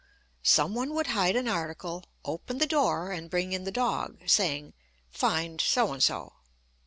Some one would hide an article, open the door, and bring in the dog, saying, "Find so and so."